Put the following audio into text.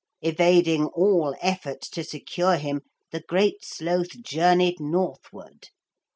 Evading all efforts to secure him, the Great Sloth journeyed northward.